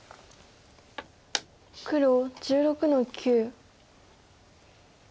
黒１６の九。